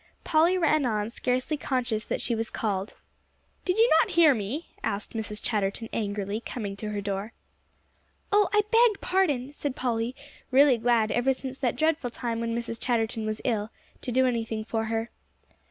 Polly ran on, scarcely conscious that she was called. "Did you not hear me?" asked Mrs. Chatterton angrily, coming to her door. "Oh, I beg pardon," said Polly, really glad ever since that dreadful time when Mrs. Chatterton was ill, to do anything for her.